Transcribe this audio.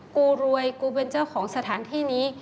กูรวยกูเป็นเจ้าของสถานที่นี้